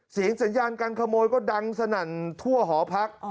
สัญญาการขโมยก็ดังสนั่นทั่วหอพัก